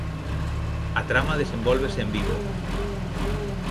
A trama desenvólvese en Vigo.